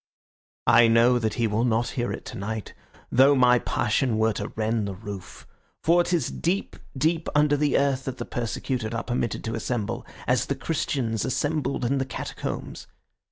I know that he will not hear it tonight, though my passion were to rend the roof. For it is deep, deep under the earth that the persecuted are permitted to assemble, as the Christians assembled in the Catacombs.